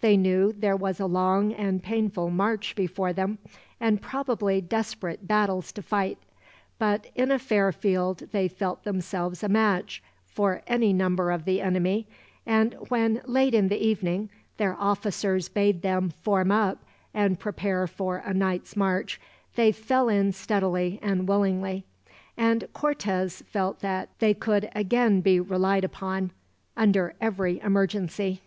They knew there was a long and painful march before them, and probably desperate battles to fight; but in a fair field, they felt themselves a match for any number of the enemy; and when, late in the evening, their officers bade them form up and prepare for a night's march, they fell in steadily and willingly; and Cortez felt that they could again be relied upon, under every emergency.